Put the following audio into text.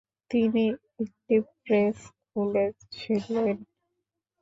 তিনি একটি প্রেস খুলেছিলেন।